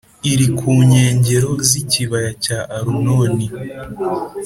iri ku nkengero z’ikibaya cya arunoni